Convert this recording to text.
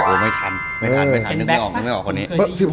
ไม่ทันนึกออกคนนี้